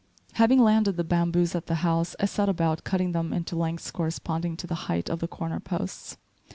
Having landed the bamboos at the house, I set about cutting them into lengths corresponding to the height of the corner posts.